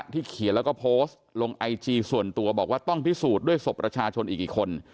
ที่เขียนแล้วก็โพสต์ลงไอจีส่วนตัวบอกว่าต้องพิสูจน์ด้วยศพประชาชนอีกกี่คน